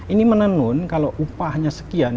ini menenun kalau upahnya sekian